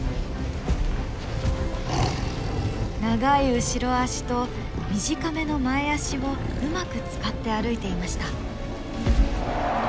長い後ろ足と短めの前足をうまく使って歩いていました。